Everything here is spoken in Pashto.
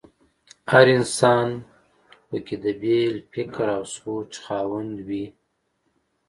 هر انسان په کې د بېل فکر او سوچ خاوند وي.